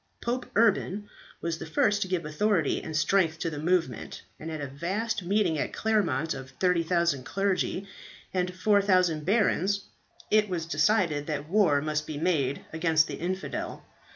Pope Urban was the first to give authority and strength to the movement, and at a vast meeting at Claremont of 30,000 clergy and 4000 barons, it was decided that war must be made against the infidel.